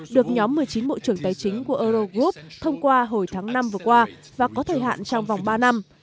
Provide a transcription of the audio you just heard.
được nhóm một mươi chín bộ trưởng tài chính của eurogov thông qua hồi tháng năm vừa qua và có thời hạn trong vòng ba năm